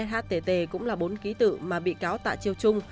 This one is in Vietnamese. hstt cũng là bốn ký tự mà bị cáo tạ chiêu chung